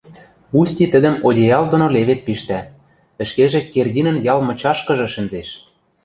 Усти тӹдӹм одеял доно левед пиштӓ, ӹшкежӹ Кердинӹн ял мычашкыжы шӹнзеш.